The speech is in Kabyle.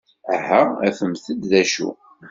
Aha afemt-d d acu!